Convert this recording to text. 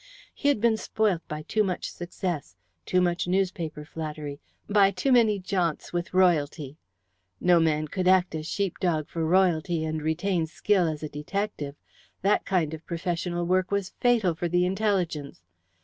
He had been spoilt by too much success, by too much newspaper flattery, by too many jaunts with Royalty. No man could act as sheep dog for Royalty and retain skill as a detective. That kind of professional work was fatal for the intelligence.